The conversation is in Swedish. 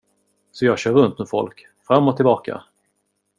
Så jag kör runt med folk, fram och tillbaka.